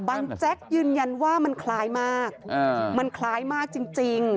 แจ๊กยืนยันว่ามันคล้ายมากมันคล้ายมากจริง